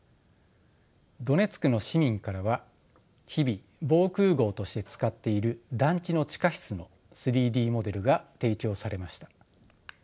ドネツクの市民からは日々防空壕として使っている団地の地下室の３Ｄモデルが提供されました。